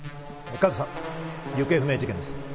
加藤さん、行方不明事件です。